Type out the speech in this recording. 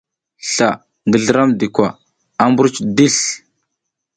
Sla ngi Slramdi kwa a mbruc disl.